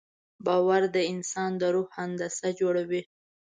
باور د انسان د روح هندسه جوړوي.